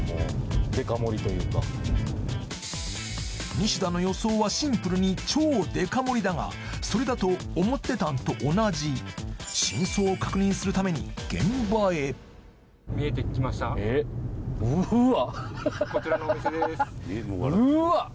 西田の予想はシンプルに超デカ盛りだがそれだと思ってたんと同じ真相を確認するために現場へうわ！